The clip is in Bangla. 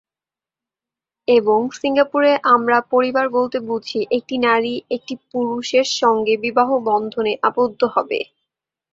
এবং সিঙ্গাপুরে আমরা পরিবার বলতে বুঝি একটি নারী একটি পুরুষের সঙ্গে বিবাহবন্ধনে আবদ্ধ হবে।